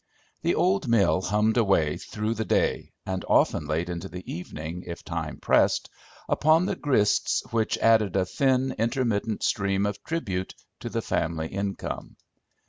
The old mill hummed away through the day, and often late into the evening if time pressed, upon the grists which added a thin, intermittent stream of tribute to the family income.